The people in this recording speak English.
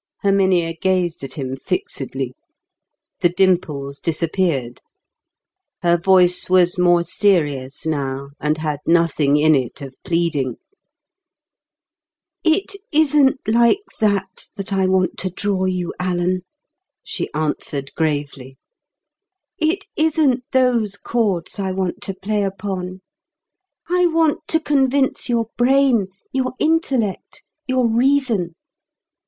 Herminia gazed at him fixedly; the dimples disappeared. Her voice was more serious now, and had nothing in it of pleading. "It isn't like that that I want to draw you, Alan," she answered gravely. "It isn't those chords I want to play upon. I want to convince your brain, your intellect, your reason.